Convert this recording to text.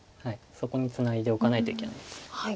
そこにツナいでおかないといけないです。